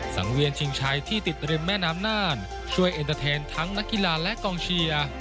สังเวียนชิงชัยที่ติดริมแม่น้ำน่านช่วยเอ็นเตอร์เทนทั้งนักกีฬาและกองเชียร์